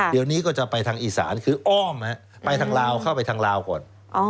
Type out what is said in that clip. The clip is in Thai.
เดี๋ยวนี้ก็จะไปทางอีสานคืออ้อมไปทางลาวเข้าไปทางลาวก่อน